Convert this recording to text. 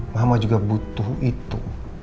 mama juga butuh itu